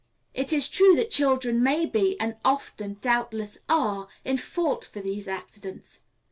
It is true that children may be, and often, doubtless, are, in fault for these accidents.